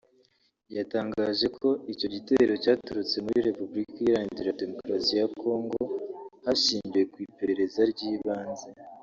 yatangaje ko icyo gitero cyaturutse muri Repubulika Iharanira Demokarasi ya Congo hashingiwe ku iperereza ry’ibanze